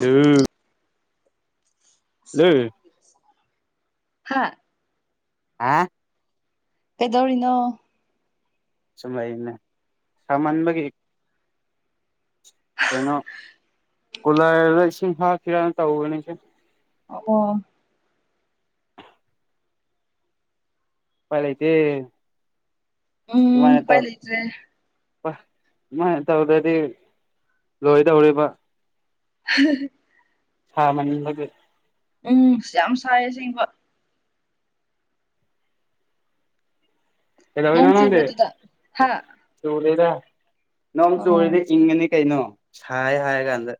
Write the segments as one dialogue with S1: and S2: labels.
S1: ꯎꯝ
S2: ꯍꯥꯥ
S1: ꯍꯥ
S2: ꯀꯩꯗꯧꯔꯤꯅꯣ
S1: ꯁꯨꯝ ꯂꯩꯩꯅ ꯁꯥꯃꯟꯕꯒꯤ ꯀꯩꯅꯣ ꯀꯨꯂꯔꯗ ꯏꯁꯤꯡ ꯍꯥꯞꯁꯤꯔꯅ ꯇꯧꯕꯅꯦꯁꯦ
S2: ꯑꯣ
S1: ꯎꯄꯥꯏ ꯂꯩꯇꯦ
S2: ꯎꯝ ꯎꯄꯥꯏ ꯂꯩꯇꯦ
S1: ꯁꯨꯃꯥꯏꯅ ꯇꯧꯗꯗꯤ ꯂꯣꯏꯗꯧꯔꯤꯕ
S2: ꯍ
S1: ꯍ ꯃ ꯂ
S2: ꯎꯝ ꯌꯥꯝ ꯁꯥꯏꯌꯦ ꯑꯁꯦꯡꯕ
S1: ꯀꯩꯗꯧꯔꯤꯅꯣ
S2: ꯅꯣꯡ
S1: ꯅꯪꯗꯤ
S2: ꯆꯨꯕ꯭ꯔꯣ ꯑꯗꯨꯗ ꯍꯥ
S1: ꯆꯨꯗꯦꯗ ꯅꯣꯡ
S2: ꯑꯣ
S1: ꯆꯨꯔꯤꯗ ꯏꯪꯉꯅꯤ ꯀꯩꯅꯣ ꯁꯥꯏ ꯍꯥꯏꯔ ꯀꯥꯟꯗ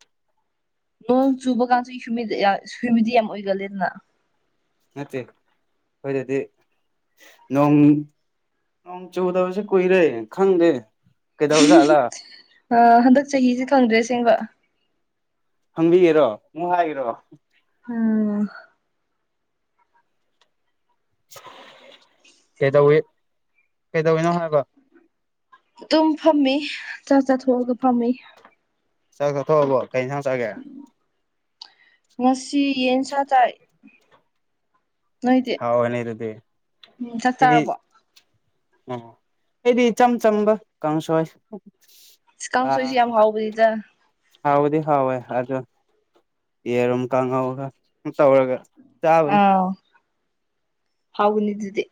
S2: ꯅꯣꯡ ꯆꯨꯕ ꯀꯥꯟꯁꯨ ꯍꯨꯃꯤꯗꯤ ꯌꯥꯝ ꯑꯣꯏꯒꯜꯂꯦꯗꯅ
S1: ꯅꯠꯇꯦ ꯑꯩꯈꯣꯏꯗꯗꯤ ꯅꯣꯡ ꯅꯣꯡ ꯆꯨꯗꯕꯁꯦ ꯀꯨꯏꯔꯦ ꯈꯪꯗꯦ ꯀꯩꯗꯧꯖꯥꯠꯂꯥ
S2: ꯍꯟꯗꯛ ꯆꯍꯤꯁꯦ ꯈꯪꯗ꯭ꯔꯦ ꯑꯁꯦꯡꯕ
S1: ꯍꯪꯕꯤꯒꯦꯔꯣ ꯑꯃꯨꯛ ꯍꯥꯏꯈꯔꯣ
S2: ꯎꯝ
S1: ꯀꯩ ꯇꯧꯋꯤ ꯀꯩꯇꯧꯤꯅꯣ ꯍꯥꯏꯕꯣ
S2: ꯑꯗꯨꯝ ꯐꯝꯃꯦ ꯆꯥꯛ ꯆꯥꯊꯣꯛꯑꯒ ꯐꯝꯃꯤ
S1: ꯆꯥꯛ ꯆꯊꯣꯛꯑꯕꯣ ꯀꯩꯅ ꯁꯪꯅ ꯆꯠꯒꯦ
S2: ꯉꯁꯤ ꯌꯦꯟꯁꯥ ꯇꯥꯏ ꯅꯣꯏꯗꯤ
S1: ꯍꯥꯎꯔꯅꯤ ꯑꯗꯨꯗꯤ
S2: ꯎꯝ ꯆꯠ ꯆꯥꯔꯕꯣ
S1: ꯎ ꯑꯩꯗꯤ ꯏꯆꯝ ꯆꯝꯕ ꯀꯥꯡ ꯁꯣꯏ
S2: ꯁꯤ ꯀꯥꯡ ꯁꯣꯏꯁꯤ ꯌꯥꯝ ꯍꯥꯎꯕꯅꯤꯗ
S1: ꯍꯥꯎꯕꯗꯤ ꯍꯥꯎꯋꯦ ꯑꯗꯣ ꯌꯦꯔꯨꯝ ꯀꯥꯡꯍꯧꯒ ꯇꯧꯔꯒ ꯆꯥꯕꯅꯤ
S2: ꯑ ꯍꯥꯎꯅꯤꯗꯗꯤ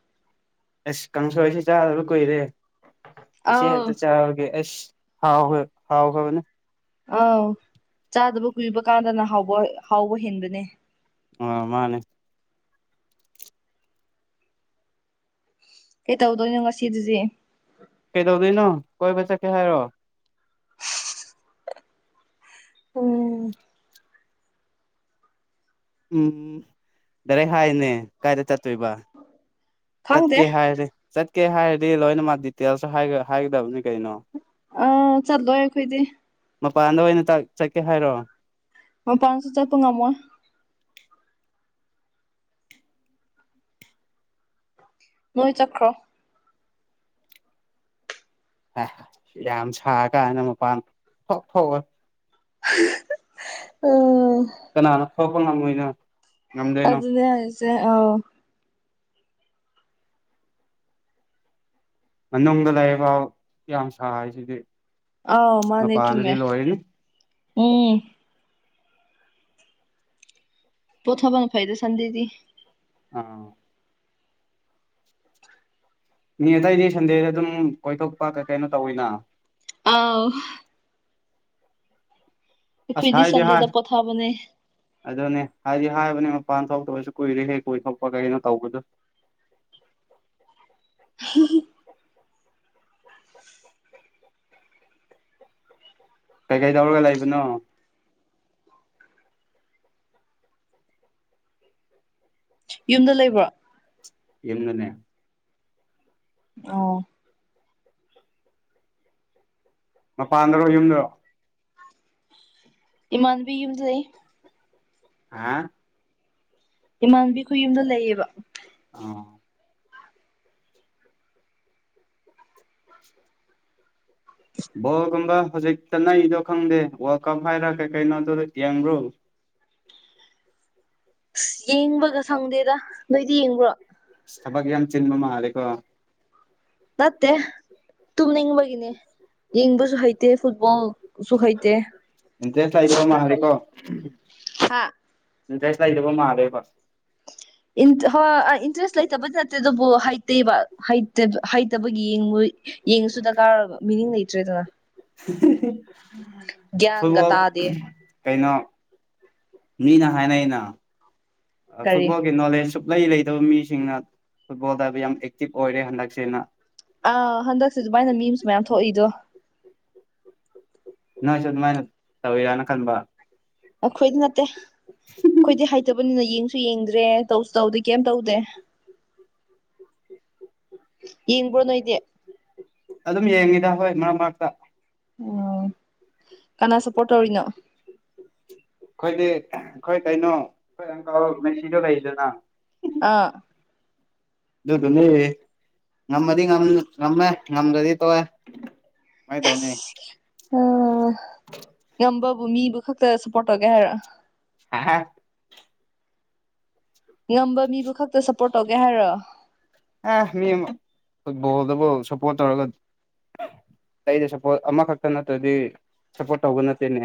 S1: ꯑꯁ ꯀꯥꯡꯁꯣꯏꯁꯤ ꯆꯥꯗꯕ ꯀꯨꯏꯔꯦ ꯉꯁꯤ
S2: ꯑꯥꯎ
S1: ꯍꯦꯛꯇ ꯆꯥꯕꯒꯦ ꯑꯁ ꯍꯥꯎ ꯍꯣꯏ ꯍꯥꯎ ꯍꯕꯅꯦ
S2: ꯑꯥꯎ ꯆꯥꯗꯕ ꯀꯨꯏꯕ ꯀꯥꯟꯗꯅ ꯍꯥꯎꯕ ꯍꯥꯎꯕ ꯍꯦꯟꯕꯅꯦ
S1: ꯑꯣ ꯃꯥꯅꯦ
S2: ꯀꯩ ꯇꯧꯗꯣꯏꯅꯣ ꯉꯁꯤꯗꯨꯗꯤ
S1: ꯀꯩꯗꯧꯗꯣꯏꯅꯣ ꯀꯣꯏꯕ ꯆꯠꯀꯦ ꯍꯥꯏꯔꯣ
S2: ꯎꯝ
S1: ꯎꯝ ꯗꯥꯔꯩ ꯍꯥꯏꯅꯦ ꯀꯥꯏꯗ ꯆꯠꯇꯣꯏꯕ ꯆꯠ
S2: ꯈꯪꯗꯦ
S1: ꯀꯦ ꯍꯥꯏꯔꯦ ꯆꯠꯀꯦ ꯍꯥꯏꯔꯗꯤ ꯂꯣꯏꯅ ꯃꯥ ꯗꯤꯇꯦꯜꯁꯁꯨ ꯍꯥꯏꯒꯗꯕꯅꯤ ꯀꯩꯅꯣ
S2: ꯑ ꯆꯠꯂꯣꯏ ꯑꯩꯈꯣꯏꯗꯤ
S1: ꯃꯄꯥꯟꯗ ꯑꯣꯏꯅ ꯆꯠꯀꯦ ꯍꯥꯏꯔꯣ
S2: ꯃ ꯄꯁ ꯍꯖꯔ ꯇꯨꯡꯉ ꯃꯣ ꯅꯣꯏ ꯆꯈ꯭ꯔꯣ
S1: ꯑ ꯌꯥꯝ ꯁꯥ ꯀꯥꯟꯅ ꯃꯄꯥꯟ ꯊꯣꯛ ꯊꯣꯛꯑ
S2: ꯎꯝ
S1: ꯀꯅꯥꯅꯣ ꯊꯣꯛꯄ ꯉꯝꯃꯣꯏꯅꯣ ꯉꯝꯗꯣꯏꯅꯣ
S2: ꯑꯗꯨꯅꯦ ꯍꯥꯏꯁꯦ ꯑ
S1: ꯃꯅꯨꯡꯗ ꯂꯩ ꯌꯥꯝ ꯁꯥ ꯍꯥꯏꯁꯤꯗꯤ
S2: ꯑꯥꯎ ꯃꯥꯅꯦ ꯇꯨꯃꯦ ꯎꯝ ꯄꯣꯊꯥ ꯐꯅ ꯐꯥꯏꯗ ꯁꯗꯗꯤ
S1: ꯑꯥ ꯃꯤ ꯑꯇꯩꯗꯤ ꯁꯟꯗꯦꯗ ꯑꯗꯨꯝ ꯀꯣꯏꯊꯣꯛꯄ ꯀ ꯀꯩꯅꯣ ꯇꯧꯋꯤꯅ
S2: ꯑꯥꯎ ꯑꯩꯈꯣꯏꯗꯤ
S1: ꯑꯁꯥꯏ ꯍꯥꯏ
S2: ꯁꯟꯗꯦꯗ ꯄꯣꯊꯥꯕꯅꯦ
S1: ꯑꯗꯨꯅꯦ ꯍꯥꯏꯗꯤ ꯍꯥꯏꯕꯅꯦ ꯃꯄꯥꯟ ꯊꯣꯛꯇꯕꯁꯨ ꯀꯨꯏꯔꯦ ꯍꯦ ꯀꯨꯏꯊꯣꯛꯄ ꯀꯩꯒꯤꯅꯣ ꯇꯧꯕꯗꯨ
S2: [inaudible]
S1: ꯀꯩ ꯀꯩ ꯇꯧꯔꯒ ꯂꯩꯕꯅꯣ
S2: ꯌꯨꯝꯗ ꯂꯩꯕ꯭ꯔꯣ
S1: ꯏꯦꯝꯅꯅꯦ
S2: ꯑꯣ
S1: ꯃꯄꯥꯟꯗꯔꯣ ꯌꯨꯝꯗꯣ
S2: ꯏꯃꯥꯟꯕꯤꯒꯤ ꯂꯩ
S1: ꯍꯥ
S2: ꯏꯃꯥꯟꯕꯤ ꯈꯨ ꯌꯨꯝꯗ ꯂꯩꯌꯦꯕ
S1: ꯑ ꯕꯣꯜꯒꯨꯝꯕ ꯍꯧꯖꯤꯛꯇ ꯅꯩꯗꯣ ꯈꯪꯗꯦ ꯋꯥꯔꯜ ꯀꯞ ꯍꯥꯏꯔ ꯀꯩ ꯀꯩꯅꯣꯗꯨ ꯌꯦꯡꯕ꯭ꯔꯣ
S2: ꯑꯁ ꯌꯦꯡꯕꯒ ꯁꯪꯗꯦꯗ ꯅꯣꯏꯗꯤ ꯌꯦꯡꯕ꯭ꯔꯣ
S1: ꯁꯕꯒꯤ ꯌꯥꯝ ꯆꯤꯟꯃ ꯃꯥꯔꯀꯣ
S2: ꯅꯠꯇ ꯇꯨꯝꯅꯤꯡꯕꯒꯤꯅꯦ ꯌꯦꯡꯕꯁꯨ ꯍꯩꯇꯦ ꯐꯨꯠꯕꯣꯜꯁꯨ ꯍꯩꯇꯦ
S1: ꯏꯟꯇ꯭ꯔꯦꯁ ꯂꯩꯗꯕ ꯃꯥꯜꯂꯦꯀꯣ
S2: ꯍꯥ
S1: ꯏꯟꯇꯦꯁ ꯂꯩꯗꯕ ꯃꯥꯜꯂꯦꯀꯣ
S2: ꯍꯣꯏ ꯏꯟꯇꯔꯦꯁ ꯂꯩꯇꯕꯗꯤ ꯅꯠꯇꯦ ꯑꯗꯨꯕꯨ ꯍꯩꯇꯦꯕ ꯍꯩꯇꯕꯒꯤ ꯌꯦꯡꯕꯣꯏ ꯌꯦꯡꯉꯁꯨꯗ ꯀꯥ ꯃꯤꯅꯤꯡ ꯂꯩꯇ꯭ꯔꯦꯗꯅ ꯒ꯭ꯌꯥꯟꯒ
S1: ꯁꯒꯜ
S2: ꯇꯥꯗꯦ
S1: ꯀꯩꯅꯣ ꯃꯤꯅ ꯍꯥꯏꯅꯩꯅ
S2: ꯀꯔꯤ
S1: ꯐꯨꯠꯕꯣꯜꯒꯤ ꯅꯣꯂꯦꯖꯁꯨ ꯂꯩ ꯂꯩꯇꯕ ꯃꯤꯁꯤꯡꯅ ꯐꯨꯠꯕꯣꯜꯗ ꯍꯥꯏꯕ ꯌꯥꯝ ꯑꯦꯛꯇꯤꯚ ꯑꯣꯏꯔꯦ ꯍꯟꯗꯛꯁꯦꯅ
S2: ꯑꯥ ꯍꯟꯗꯛꯁꯤ ꯑꯗꯨꯃꯥꯏꯅ ꯃꯤ ꯑꯃꯁꯨ ꯃꯌꯥꯝ ꯊꯣꯛꯏꯗꯣ
S1: ꯅꯣꯏꯁꯨ ꯑꯗꯨꯃꯥꯏꯅ ꯇꯧꯋꯔꯅ ꯈꯟꯕ
S2: ꯑꯩꯈꯣꯏꯗꯤ ꯅꯠꯇꯦ ꯑꯩꯈꯣꯏꯗꯤ ꯍꯩꯇꯕꯅꯤꯅ ꯌꯦꯡꯁꯨ ꯌꯦꯡꯗ꯭ꯔꯦ ꯇꯧꯁꯨ ꯇꯧꯗꯦ ꯀꯩꯝ ꯇꯧꯗꯦ ꯏꯡꯕꯨ ꯅꯣꯏꯗꯦ
S1: ꯑꯗꯨꯝ ꯌꯦꯡꯉꯤꯗ ꯍꯣꯏ ꯃꯔꯛ ꯃꯔꯛꯇ
S2: ꯑꯣ ꯀꯅꯥ ꯁꯞꯄꯣꯔꯠ ꯇꯧꯔꯤꯅꯣ
S1: ꯑꯩꯈꯣꯏꯗꯤ ꯑꯩꯈꯣꯏ ꯀꯩꯅꯣ ꯑꯩꯈꯣꯏ ꯑꯪꯀꯜ ꯉꯁꯤꯗꯣ ꯂꯩꯗꯅ
S2: ꯑꯥ
S1: ꯑꯗꯨꯗꯨꯅꯤ ꯉꯝꯃꯗꯤ ꯉꯝꯃꯦ ꯉꯝꯗ꯭ꯔꯗꯤ ꯇꯧꯋꯦ ꯃꯥꯏ ꯇꯧꯅꯤꯅꯤ
S2: ꯑ ꯉꯝꯕꯕꯨ ꯃꯤꯕꯨ ꯈꯛꯇ ꯁꯞꯄꯣꯔꯠ ꯇꯧꯒꯦ ꯍꯥꯏꯔ
S1: ꯑ
S2: ꯉꯝꯕ ꯃꯤꯕꯨ ꯈꯛꯇ ꯁꯞꯄꯣꯔꯠ ꯇꯧꯒꯦ ꯍꯥꯏꯔꯣ
S1: ꯑ ꯃꯤ ꯑꯃ ꯐꯨꯠꯕꯣꯜꯗꯕꯨ ꯁꯞꯄꯣꯔꯠ ꯇꯧꯔꯒ ꯑꯩꯗ ꯁꯞꯄꯣꯔꯠ ꯑꯃꯈꯛꯇ ꯅꯠꯇ꯭ꯔꯗꯤ ꯁꯞꯄꯣꯔꯠ ꯇꯧꯕ ꯅꯠꯇꯦꯅꯦ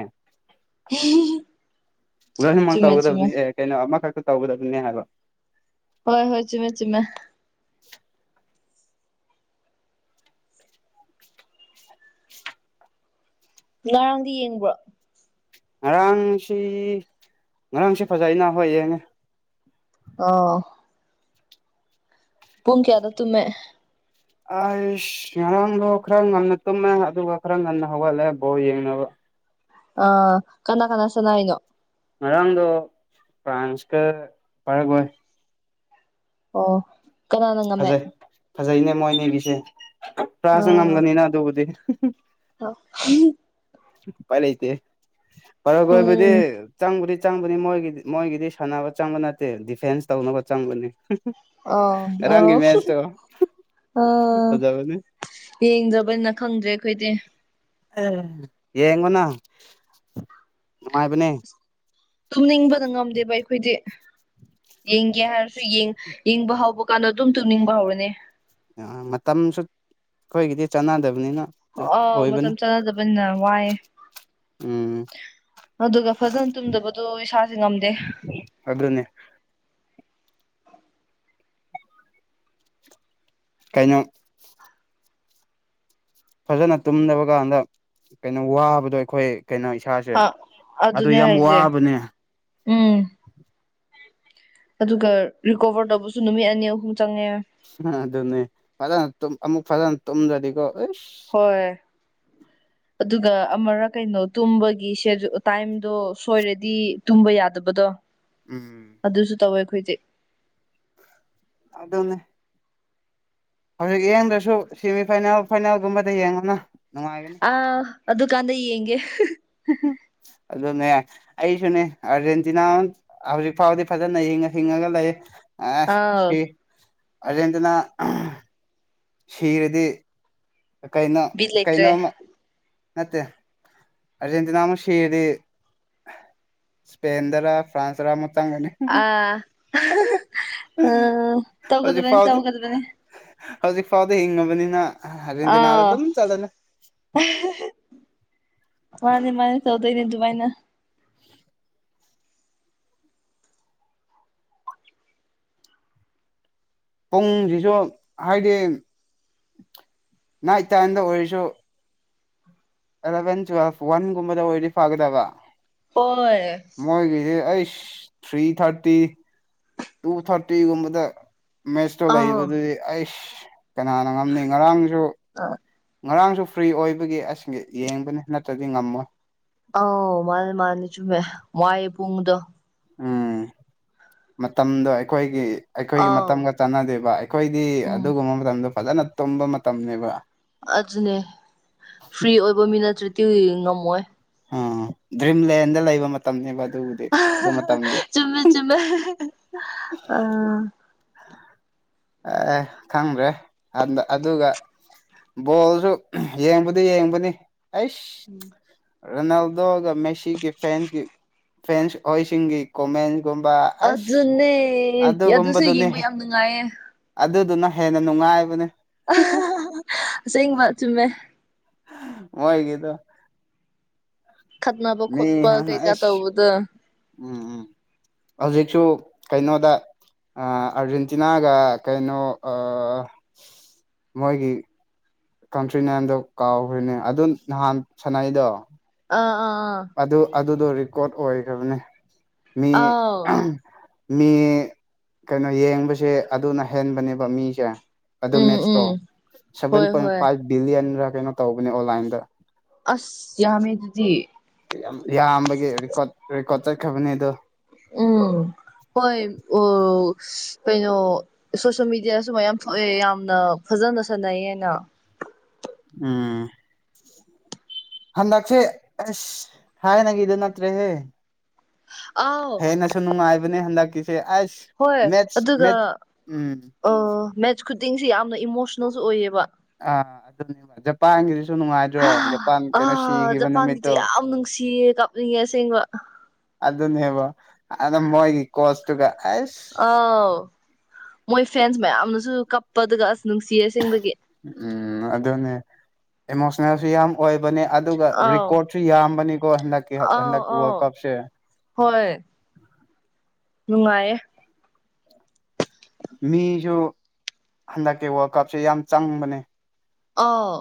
S1: ꯂꯣꯏꯃꯛ
S2: ꯆꯨꯝꯃꯦ ꯆꯨꯝꯃꯦ
S1: ꯇꯧꯒꯗꯕꯅꯤ ꯑꯦ ꯀꯩꯅꯣ ꯑꯃꯈꯛꯇ ꯇꯧꯒꯗꯕꯅꯦ ꯍꯥꯏꯕ
S2: ꯍꯣꯏ ꯍꯣꯏ ꯆꯃꯦ ꯆꯃꯦ ꯉꯔꯥꯡꯗꯤ ꯌꯦꯡꯕ꯭ꯔꯣ
S1: ꯉꯔꯥꯡꯁꯤ ꯉꯔꯥꯡꯁꯤ ꯐꯖꯩꯅ ꯍꯣꯏꯌꯦꯅꯦ
S2: ꯑ ꯄꯨꯡ ꯀꯌꯥꯗ ꯇꯨꯝꯃꯦ
S1: ꯑꯩꯁ ꯉꯔꯥꯡꯗꯣ ꯈꯔ ꯉꯟꯅ ꯇꯨꯝꯃꯦ ꯑꯗꯨꯒ ꯈꯔ ꯉꯟꯅ ꯍꯧꯒꯠꯂꯦ ꯕꯣ ꯌꯦꯡꯅꯕ
S2: ꯑ ꯀꯅꯥ ꯀꯅꯥ ꯆꯅ ꯍꯥꯏꯅꯣ
S1: ꯉꯔꯥꯡꯗꯣ ꯐ꯭ꯔꯥꯟꯁꯀ ꯄꯥꯔꯛꯑꯣ
S2: ꯑꯣ ꯀꯅꯥꯅ ꯉꯝꯃꯦ
S1: ꯐꯖꯩ ꯐꯖꯩꯅꯦ ꯃꯣꯏꯅꯦꯒꯤꯁꯦ ꯄꯨꯔꯥꯁꯨ ꯉꯝꯒꯅꯤꯅ ꯑꯗꯨꯕꯨꯗꯤ
S2: ꯑ ꯎ
S1: ꯄꯥꯏꯂ ꯏꯇꯦ ꯄꯔꯒ ꯃ
S2: ꯎꯝ
S1: ꯆꯪꯕꯨꯗꯤ ꯆꯪꯕꯗꯤ ꯃꯣꯏꯒꯤꯗꯤ ꯃꯣꯏꯒꯤꯗꯤ ꯁꯥꯟꯅꯕ ꯆꯪꯕ ꯅꯠꯇꯦ ꯗꯤꯐꯦꯟꯁ ꯇꯧꯅꯕ ꯆꯪꯕꯅꯤ
S2: ꯑ ꯑ
S1: ꯉꯔꯥꯡꯒꯤ ꯃꯦꯠꯁꯇꯣ
S2: ꯑ
S1: ꯐꯖꯕꯅꯤ
S2: ꯌꯦꯡꯗꯕꯅ ꯈꯪꯗ꯭ꯔꯦ ꯑꯩꯈꯣꯏꯗꯤ
S1: ꯑꯦ ꯌꯦꯡꯉꯣꯅ ꯅꯨꯡꯉꯥꯏꯕꯅꯦ
S2: ꯊꯨꯝꯅꯤꯡꯕꯗ ꯉꯝꯗꯦꯕ ꯑꯩꯈꯣꯏꯗꯤ ꯌꯦꯡꯒꯦ ꯍꯥꯏꯔꯁꯨ ꯌꯦꯡ ꯌꯦꯡꯕ ꯍꯧꯕ ꯀꯥꯟꯗ ꯑꯗꯨꯝ ꯇꯨꯝꯅꯤꯡꯕ ꯍꯧꯔꯅꯤ
S1: ꯃꯇꯝꯁꯨ ꯑꯩꯈꯣꯏꯒꯤꯗꯤ ꯆꯥꯟꯅꯗꯕꯅꯤꯅ
S2: ꯑ
S1: ꯑꯣꯏꯕꯅ
S2: ꯃꯇꯝ ꯆꯥꯅꯗꯕꯅꯤꯅ ꯋꯥꯏꯑꯦ
S1: ꯎꯝ
S2: ꯑꯗꯨꯒ ꯐꯖꯅ ꯇꯨꯝꯗꯕꯗꯣ ꯏꯁꯥꯁꯦ ꯉꯝꯗꯦ
S1: ꯑꯗꯨꯅꯦ ꯀꯩꯅꯣ ꯐꯖꯅ ꯇꯨꯝꯗꯕ ꯀꯥꯟꯗ ꯀꯩꯅꯣ ꯋꯥꯕꯗꯣ ꯑꯩꯈꯣꯏ ꯀꯩꯅꯣ ꯏꯁꯥꯁꯦ
S2: ꯑꯥ
S1: ꯑꯗꯨ
S2: ꯑꯗꯨꯅꯦ
S1: ꯌꯥꯝ
S2: ꯍꯥꯏꯁꯦ
S1: ꯋꯥꯕꯅꯦ
S2: ꯎꯝ ꯑꯗꯨꯒ ꯔꯤꯀꯣꯕꯔ ꯇꯧꯕꯁꯨ ꯅꯨꯃꯤꯠ ꯑꯅꯤ ꯑꯍꯨꯝ ꯆꯪꯉꯦ
S1: ꯑꯗꯨꯅꯦ ꯐꯖꯅ ꯑꯃꯨꯛ ꯐꯖꯅ ꯇꯨꯝꯗ꯭ꯔꯗꯤꯀꯣ ꯑꯦꯁ
S2: ꯍꯣꯏ ꯑꯗꯨꯒ ꯑꯃꯔꯥ ꯀꯩꯅꯣ ꯇꯨꯝꯕꯒꯤ ꯁꯦ ꯇꯥꯏꯝꯗꯣ ꯁꯣꯏꯔꯗꯤ ꯇꯨꯝꯕ ꯌꯥꯗꯕꯗꯣ
S1: ꯎꯝ
S2: ꯑꯗꯨꯁꯨ ꯇꯧꯋꯦ ꯑꯩꯈꯣꯏꯁꯦ
S1: ꯑꯗꯅꯦ ꯍꯧꯖꯤꯛ ꯌꯦꯡꯗ꯭ꯔꯁꯨ ꯁꯦꯃꯤ ꯐꯥꯏꯅꯦꯜ ꯐꯥꯏꯅꯦꯜꯒꯨꯝꯕꯗ ꯌꯦꯡꯕꯅ ꯅꯨꯡꯉꯥꯏꯒꯅꯤ
S2: ꯑꯗꯨꯀꯥꯟꯗ ꯌꯦꯡꯒꯦ
S1: ꯑꯗꯨꯗꯅꯦ ꯑꯩꯁꯨꯅꯦ ꯑꯥꯔꯖꯦꯟꯇꯤꯅꯥ ꯍꯧꯖꯤꯛ ꯐꯥꯎꯗꯤ ꯐꯖꯅ ꯍꯤꯡꯉ ꯍꯤꯡꯉꯒ ꯂꯩ ꯑꯦ
S2: ꯑꯥꯎ
S1: ꯁꯤ ꯑꯔꯖꯦꯟꯇꯤꯅꯥ ꯁꯤꯔꯗꯤ ꯀꯩꯅꯣ
S2: ꯕꯤꯠ ꯂꯩꯇ꯭ꯔꯦ
S1: ꯀꯩꯅꯣꯝꯃ ꯅꯠꯇꯦ ꯑꯔꯖꯦꯟꯇꯤꯅꯥ ꯑꯃ ꯁꯤꯔꯤ ꯁꯄꯦꯟꯟꯗꯔ ꯐ꯭ꯔꯥꯟꯁꯔ ꯃꯪꯅꯤ
S2: ꯑ ꯎ
S1: ꯍꯧꯖꯤꯛ
S2: ꯇꯒꯗꯕꯅꯤ
S1: ꯐꯥꯎꯗꯤ
S2: ꯇꯒꯗꯕꯅꯤ
S1: ꯍꯧꯖꯤꯛ ꯐꯥꯎꯗ ꯍꯤꯡꯉꯕꯅꯤꯅ ꯑꯥꯔꯖꯦꯟꯇꯤꯅꯥꯗ
S2: ꯑꯥ
S1: ꯑꯗꯨꯝ ꯆꯠꯂꯂ
S2: ꯃꯥꯅꯦ ꯃꯥꯅꯦ ꯇꯧꯗꯣꯏꯅꯦ ꯑꯗꯨꯃꯥꯏꯅ
S1: [unintelligible] ꯄꯨꯡꯁꯤꯁꯨ ꯍꯥꯏꯗꯤ ꯅꯥꯏꯠ ꯇꯥꯏꯝꯗ ꯑꯣꯏꯔꯁꯨ ꯑꯦꯂꯚꯦꯟ ꯇꯨꯋꯦꯜꯐ ꯋꯥꯟꯒꯨꯝꯕꯗ ꯑꯣꯏꯗꯤ ꯐꯒꯗꯕ
S2: ꯍꯣꯏ
S1: ꯃꯣꯏꯒꯤꯁꯦ ꯑꯩꯁ ꯊ꯭ꯔꯤ ꯊꯥꯔꯇꯤ ꯇꯨ ꯊꯥꯔꯇꯤꯒꯨꯝꯕꯗ ꯃꯦꯠꯁꯇ
S2: ꯑꯥꯎ
S1: ꯂꯩꯕꯗꯨꯗꯤ ꯑꯩꯁ ꯀꯅꯥꯅ ꯉꯝꯅꯤ ꯉꯔꯥꯡꯁꯨ
S2: ꯑ
S1: ꯉꯔꯥꯡꯁꯨ ꯐ꯭ꯔꯤ ꯑꯣꯏꯕꯒꯤ ꯑꯁꯤꯁ ꯌꯦꯡꯕꯅꯤ ꯅꯠꯇ꯭ꯔꯗꯤ ꯉꯝꯃꯣꯏ
S2: ꯑꯥꯎ ꯃꯥꯅꯦ ꯃꯥꯜꯂꯦ ꯆꯨꯝꯃꯦ ꯃ ꯄꯨꯡꯗꯣ
S1: ꯎꯝ ꯃꯇꯝꯗꯣ ꯑꯩꯈꯣꯏꯒꯤ ꯑꯩꯈꯣꯏꯒꯤ
S2: ꯑꯥꯎ
S1: ꯃꯇꯝꯒ ꯆꯥꯟꯅꯗꯦꯕ ꯑꯩꯈꯣꯏꯗꯤ
S2: ꯎꯝ
S1: ꯑꯗꯨꯒꯨꯝꯕ ꯃꯇꯝꯗꯣ ꯐꯖꯅ ꯇꯨꯝꯕ ꯃꯇꯝꯅꯦꯕ
S2: ꯑꯗꯨꯅꯦ ꯐ꯭ꯔꯤ ꯑꯣꯏꯕ ꯃꯤ ꯅꯠꯇ꯭ꯔꯗꯤ ꯉꯝꯃꯣꯏ
S1: ꯎ ꯗ꯭ꯔꯤꯝꯂꯦꯟꯗ ꯂꯩꯕ ꯃꯇꯝꯅꯤꯅꯦꯕ ꯑꯗꯨꯕꯨꯗꯤ ꯑꯗꯨ ꯃꯇꯝꯗꯤ
S2: ꯆꯨꯝꯃꯦ ꯆꯨꯝꯃꯦꯃꯦ ꯑ
S1: ꯈꯪꯗ꯭ꯔꯦꯗ ꯑꯗꯨꯒ ꯕꯣꯜꯁꯨ ꯌꯦꯡꯕꯗꯤ ꯌꯦꯡꯕꯅꯤ ꯑꯩꯁ
S2: ꯎꯝ
S1: ꯔꯣꯅꯥꯜꯗꯣꯒ ꯃꯦꯁꯤꯒꯤ ꯐꯦꯟꯁꯀꯤ ꯐꯦꯟꯁ ꯍꯍꯣꯏꯁꯤꯡꯒꯤ ꯀꯣꯃꯦꯟꯁꯒꯨꯝꯕ
S2: ꯑꯗꯨꯅꯦ ꯑꯗꯨꯁꯨ ꯌꯦꯡꯕ ꯌꯥꯝ ꯅꯨꯡꯉꯥꯏꯌꯦ
S1: ꯑꯗꯨꯗꯨꯅ ꯍꯦꯟꯅ ꯅꯨꯡꯉꯥꯏꯕꯅꯦ
S2: ꯑꯁꯦꯡꯕ ꯆꯨꯝꯃꯦ
S1: ꯋꯥꯣꯏꯒꯗ
S2: ꯈꯠꯅꯕ
S1: ꯃꯤ
S2: ꯈꯣꯠꯄ
S1: ꯍꯥꯟꯅ
S2: ꯀꯩꯀꯥ
S1: ꯑꯩꯁ
S2: ꯇꯧꯕꯗ
S1: ꯎꯝ ꯎꯝ ꯍꯧꯖꯤꯛꯁꯨ ꯀꯩꯅꯣꯗ ꯑꯥꯔꯖꯦꯟꯇꯤꯅꯥꯒ ꯀꯩꯅꯣ ꯃꯣꯏꯒꯤ ꯀꯟꯇ꯭ꯔꯤ ꯅꯦꯝꯗꯣ ꯀꯥꯎꯈ꯭ꯔꯔꯤꯅꯦ ꯑꯗꯨ ꯅꯍꯥꯟ ꯁꯥꯟꯅꯩꯗꯣ
S2: ꯑꯥ ꯑꯥ ꯑꯥ
S1: ꯑꯗꯨ ꯑꯗꯨꯗꯣ ꯔꯦꯀꯣꯔꯠ ꯑꯣꯏꯈꯕꯅꯤ ꯃꯤ
S2: ꯑꯥꯎ
S1: ꯃꯤ ꯀꯩꯅꯣ ꯌꯦꯡꯕꯁꯦ ꯑꯗꯨꯅ ꯍꯦꯟꯕꯅꯦꯕ ꯃꯤꯁꯦ ꯑꯗꯨ
S2: ꯎꯝ
S1: ꯃꯦꯠꯁꯇꯣ
S2: ꯎꯝ
S1: ꯁꯚꯦꯟ
S2: ꯍꯣꯏ
S1: ꯄꯣꯏꯟ
S2: ꯍꯣꯏ
S1: ꯐꯥꯏꯚ ꯕꯤꯂꯤꯌꯟꯗ ꯀꯩꯅꯣ ꯇꯧꯕꯅꯦ ꯑꯣꯟꯂꯥꯏꯟꯗ
S2: ꯑꯁ ꯌꯥꯃꯦ ꯑꯗꯨꯗꯤ
S1: ꯌꯥꯝ ꯌꯥꯝꯕꯒꯤ ꯔꯦꯀꯣꯔꯠ ꯔꯦꯀꯣꯔꯠ ꯆꯠꯈ꯭ꯔꯕꯅꯦ ꯑꯗꯣ
S2: ꯎꯝ ꯍꯣꯏ ꯎ ꯀꯩꯅꯣ ꯁꯣꯁꯦꯜ ꯃꯦꯗꯤꯌꯥꯗꯁꯨꯨ ꯃꯌꯥꯝ ꯊꯣꯛꯑꯦ ꯌꯥꯝꯅ ꯐꯖꯅ ꯁꯥꯟꯅꯩ ꯍꯥꯏꯅ
S1: ꯎꯝ ꯍꯟꯗꯛꯁꯦ ꯑꯁ ꯊꯥꯏꯅꯒꯤꯗ ꯅꯠꯇ꯭ꯔꯦꯍꯦ
S2: ꯑꯥꯎ
S1: ꯍꯦꯟꯅꯁꯨ ꯅꯨꯡꯉꯥꯏꯕꯅꯦ ꯍꯟꯗꯛꯀꯤꯁꯦ ꯑꯁ
S2: ꯍꯣꯏ
S1: ꯃꯦꯠꯁ
S2: ꯑꯗꯨꯒ
S1: ꯃꯦꯠꯁ ꯎꯝ
S2: ꯃꯦꯠꯆ ꯈꯨꯗꯤꯡꯁꯤ ꯌꯥꯝꯅ ꯏꯃꯣꯁꯅꯦꯜꯁꯨ ꯑꯣꯏꯌꯦꯕ
S1: ꯑ ꯖꯥꯄꯥꯟꯒꯤ ꯁꯨ ꯅꯨꯡꯉꯥꯏꯗ꯭ꯔꯣ ꯖꯄꯥꯟ ꯀꯩꯅꯣ
S2: ꯑꯥ
S1: ꯁꯤꯈꯤꯕ
S2: ꯖꯄꯥꯟꯒꯤꯗꯣ
S1: ꯅꯨꯃꯤꯠꯇꯣ
S2: ꯌꯥꯝ ꯅꯨꯡꯁꯤꯌꯦ ꯀꯥꯞꯅꯤꯡꯉꯦ ꯑꯁꯦꯡꯕ
S1: ꯑꯗꯨꯅꯦꯕ ꯑꯗ ꯃꯣꯏꯒꯤ ꯀꯣꯆꯇꯨꯒ ꯑꯦꯁ
S2: ꯑꯥꯎ ꯃꯣꯏ ꯐꯦꯟꯁ ꯃꯌꯥꯝꯅꯁꯨ ꯀꯞꯄ ꯑꯗꯨꯒ ꯑꯁ ꯅꯨꯡꯁꯤ ꯑꯁꯦꯡꯕꯒꯤ
S1: ꯎꯝ ꯑꯗꯨꯅꯦ ꯑꯦꯃꯣꯁꯅꯦꯜ ꯌꯥꯝ ꯑꯣꯏꯕꯅꯦ ꯑꯗꯨꯒ
S2: ꯑꯥꯎ
S1: ꯔꯦꯀꯣꯔꯠꯁꯨ ꯌꯥꯝꯕꯅꯤꯀꯣ ꯍꯟꯗꯛꯀꯤ
S2: ꯑꯥꯎ
S1: ꯍꯟꯗꯛꯀꯤ
S2: ꯑꯥꯎ
S1: ꯋꯥꯔꯜ ꯀꯞꯁꯦ
S2: ꯍꯣꯏ ꯅꯨꯡꯉꯥꯏꯌꯦ
S1: ꯃꯤꯁꯨ ꯍꯟꯗꯛꯀꯤ ꯋꯥꯔꯜ ꯀꯞꯁꯦ ꯌꯥꯝ ꯆꯪꯕꯅꯦ
S2: ꯑꯥꯎ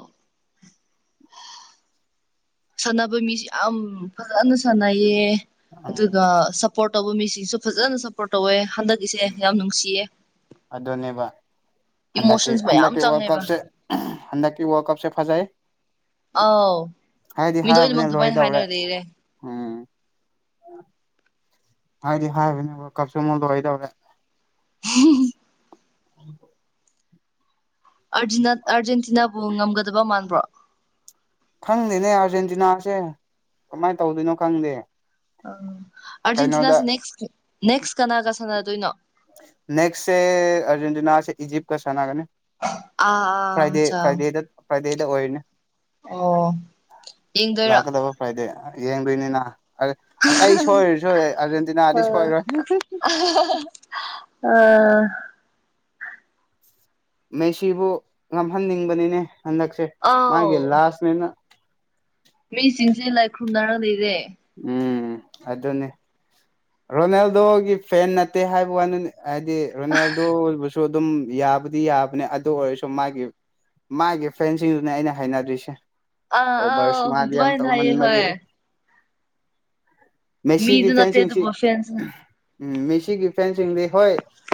S2: ꯁꯥꯟꯅꯕ ꯃꯤꯁ ꯌꯥꯝ ꯐꯖꯅ ꯁꯥꯟꯅꯩꯌꯦ ꯑꯗꯨꯒ
S1: ꯎꯝ
S2: ꯁꯞꯄꯣꯔꯠ ꯇꯧꯕ ꯃꯤꯁꯤꯡꯁꯨ ꯐꯖꯅ ꯁꯞꯄꯣꯔꯠ ꯇꯧꯋꯦ ꯍꯟꯗꯛꯀꯤꯁꯦ ꯌꯥꯝ ꯅꯨꯡꯁꯤꯌꯦ
S1: ꯑꯗꯨꯗꯣꯅꯦꯕ
S2: ꯏꯃꯣꯁꯟꯁ ꯃꯌꯥꯝ
S1: ꯍꯟꯗꯛꯀꯤ ꯋꯥꯔꯜ
S2: ꯆꯪꯉꯦꯕ
S1: ꯀꯞꯁꯦ ꯍꯟꯗꯛꯀꯤ ꯋꯥꯔꯜ ꯀꯞꯁꯦ ꯐꯖꯅ
S2: ꯑꯥꯎ ꯃꯤ
S1: ꯍꯥꯏꯕꯅꯦ
S2: ꯂꯣꯏꯅꯃꯛ ꯑꯗꯨꯃꯥꯏꯅ
S1: ꯂꯣꯏꯗꯧꯔꯦ
S2: ꯍꯥꯏꯅꯕꯅꯤꯅꯦ
S1: ꯎꯝ ꯍꯥꯏꯗꯤ ꯍꯥꯏꯕꯅꯦꯕ ꯀꯛꯆꯨꯝꯃ ꯂꯔꯣꯏꯗꯧꯔꯦ
S2: ꯑꯥꯔꯖꯦꯟꯇꯤꯅꯥꯕꯨ ꯉꯝꯒꯗꯕ ꯃꯥꯟꯕ꯭ꯔꯣ
S1: ꯈꯪꯗꯦꯅꯦ ꯑꯥꯔꯖꯦꯟꯇꯤꯅꯥꯁꯦ ꯀꯃꯥꯏꯅ ꯇꯧꯗꯣꯏꯅꯣ ꯈꯪꯗꯦ
S2: ꯑ
S1: ꯀꯩꯅꯣꯗ
S2: ꯑꯥꯔꯖꯦꯟꯇꯤꯅꯥꯁꯦ ꯅꯦꯛꯁ ꯅꯦꯛꯁ ꯀꯅꯥꯒ ꯁꯥꯟꯅꯗꯣꯏꯅꯣ
S1: ꯅꯦꯛꯁꯦ ꯑꯔꯖꯦꯟꯇꯤꯅꯥꯁꯦ ꯏꯖꯤꯞ ꯀ ꯁꯅꯥꯒꯅꯦ
S2: ꯑꯥ ꯑꯥ
S1: ꯐ꯭ꯔꯥꯏꯗꯦ
S2: ꯑꯠꯆꯥ
S1: ꯐ꯭ꯔꯥꯏꯗꯦꯗ ꯐ꯭ꯔꯥꯏꯗꯦꯗ ꯑꯣꯏꯔꯅꯦ
S2: ꯑꯣ ꯌꯦꯡꯗꯣꯏꯔꯣ
S1: ꯍꯣꯏꯗꯤ ꯌꯦꯡꯗꯣꯏꯅꯤꯅ ꯑꯇꯩ ꯁꯣꯏꯔꯁꯨ ꯑꯥꯔꯖꯦꯟꯇꯤꯅꯥꯗꯤ ꯁꯣꯏꯔꯣꯏ
S2: ꯑꯥ
S1: ꯃꯦꯁꯤꯕꯨ ꯉꯝꯍꯟꯅꯤꯡꯕꯅꯤꯅꯦ ꯍꯟꯗꯛꯁꯦ ꯃꯥꯒꯤ
S2: ꯑꯥꯎ
S1: ꯂꯥꯁꯅꯦꯅ
S2: ꯃꯤꯁꯤꯡꯁꯦ ꯂꯥꯏ ꯈꯨꯔꯨꯝꯗꯥꯔ ꯂꯩꯔꯦ
S1: ꯎꯝ ꯑꯗꯨꯅꯦ
S2: [inaudible]
S1: ꯔꯣꯅꯦꯜꯗꯣꯒꯤ ꯐꯦꯟ ꯅꯠꯇꯦ ꯍꯥꯏꯕ ꯋꯥꯗꯨꯅꯤ ꯍꯥꯏꯗꯤ ꯔꯣꯅꯦꯜꯗꯣ ꯑꯣꯏꯕꯨꯁꯨ ꯑꯗꯨꯝ ꯌꯥꯕꯨꯗꯤ ꯌꯥꯕ ꯑꯗꯨ ꯑꯣꯏꯔꯁꯨ ꯃꯥꯒꯤ ꯃꯥꯒꯤ ꯐ꯭ꯔꯦꯟꯁꯤꯡꯗꯨꯅꯦ ꯑꯩꯅ ꯍꯥꯏꯅꯗ꯭ꯔꯤꯁꯦ
S2: ꯑꯥ
S1: ꯑꯣꯕꯔ
S2: ꯑꯥꯎ
S1: ꯁꯃ꯭ꯔꯥꯠ ꯌꯥꯝꯅ
S2: ꯑꯗꯨꯃꯥꯏꯅ ꯍꯥꯏꯌꯦ
S1: ꯇꯧꯃꯟꯕꯒꯤ
S2: ꯍꯣꯏ
S1: ꯃꯦꯁꯤꯒꯤ
S2: ꯃꯤꯗꯨ ꯅꯠꯇꯦ
S1: ꯐꯦꯟꯁꯤꯡꯁꯤ
S2: ꯑꯗꯨꯕꯨ ꯐꯦꯟꯁꯅ
S1: ꯎꯝ ꯃꯦꯁꯤꯒꯤ ꯐꯦꯟꯁꯤꯡꯗꯤ ꯍꯣꯏ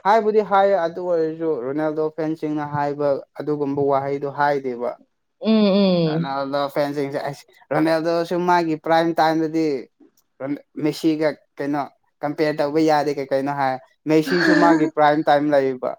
S1: ꯍꯥꯏꯕꯨꯗꯤ ꯍꯥꯏꯌꯦ ꯑꯗꯨ ꯑꯣꯏꯔꯁꯨ ꯔꯣꯅꯥꯜꯗꯣ ꯐꯦꯟꯁꯤꯡꯅ ꯍꯥꯏꯕ ꯑꯗꯨꯒꯨꯝꯕ ꯋꯥꯍꯩꯗꯨ ꯍꯥꯏꯗꯦꯕ
S2: ꯎꯝ ꯎꯝ
S1: ꯔꯣꯅꯥꯜꯗꯣ ꯐꯦꯟꯁꯤꯡꯁꯦ ꯔꯣꯅꯦꯜꯗꯣ ꯁꯨ ꯃꯥꯒꯤ ꯄ꯭ꯔꯥꯏꯝ ꯇꯥꯏꯝꯗꯗꯤ ꯃꯦꯁꯤꯒ ꯀꯩꯅꯣ ꯀꯝꯄꯦꯌꯔ ꯇꯧꯕ ꯌꯥꯗꯦ ꯀꯩ ꯀꯩꯅꯣ ꯍꯥꯏ ꯃꯦꯁꯤꯁꯨ ꯃꯥꯒꯤ ꯄ꯭ꯔꯥꯏꯝ ꯇꯥꯏꯝ ꯂꯩꯌꯦꯕ